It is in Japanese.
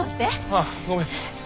ああごめん。